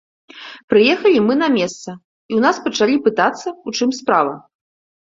Прыехалі мы на месца, і ў нас пачалі пытацца, у чым справа.